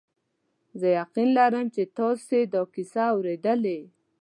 زه یقین لرم چې تاسي دا کیسه اورېدلې.